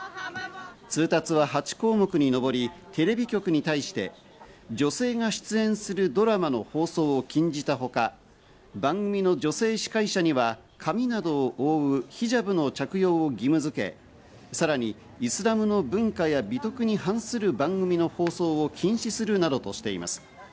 通達は８項目に上り、テレビ局に対して女性が出演するドラマの放送を禁じたほか、番組の女性司会者には髪などを覆うヒジャブの着用を義務づけ、さらにイスラムの文化や美徳に反する番組の放送を禁止するなどとしています。